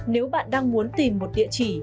nếu bạn đang muốn tìm một địa chỉ